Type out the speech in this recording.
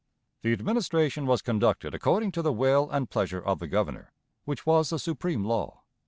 The administration was conducted according to the will and pleasure of the Governor, which was the supreme law.